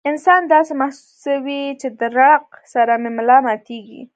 انسان داسې محسوسوي چې د ړق سره مې ملا ماتيږي